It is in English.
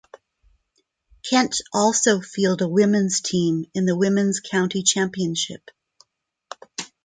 Kent also field a women's team in the Women's County Championship.